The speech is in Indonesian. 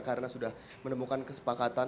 karena sudah menemukan kesepakatan